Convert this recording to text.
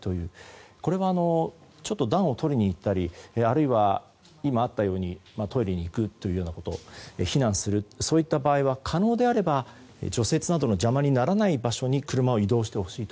これは、暖をとりに行ったりあるいは今あったようにトイレに行くというようなこと避難するそういった場合は可能であれば除雪などの邪魔にならない場所に車を移動してほしいと。